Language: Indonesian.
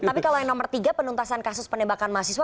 tapi kalau yang nomor tiga penuntasan kasus penembakan mahasiswa